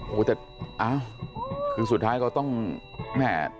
โหแต่อ่าคือสุดท้ายก็ต้องแหม่